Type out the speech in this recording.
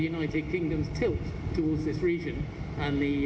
untuk menuju ke kawasan ini